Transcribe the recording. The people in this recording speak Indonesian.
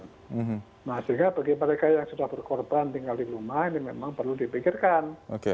nah sehingga bagi mereka yang sudah berkorban tinggal di rumah ini memang perlu dipikirkan